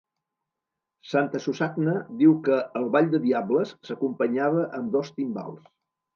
Santasusagna diu que el Ball de Diables s'acompanyava amb dos timbals.